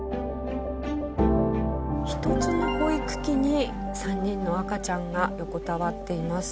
１つの保育器に３人の赤ちゃんが横たわっています。